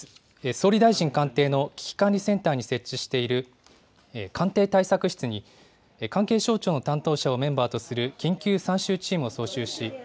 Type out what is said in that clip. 総理大臣官邸の危機管理センターに設置している官邸対策室に、関係省庁の担当者をメンバーとする緊急参集チームを招集し。